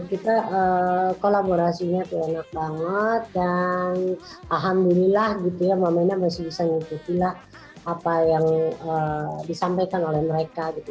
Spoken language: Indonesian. kita kolaborasinya tuh enak banget dan alhamdulillah gitu ya mamana masih bisa mengikutilah apa yang disampaikan oleh mereka gitu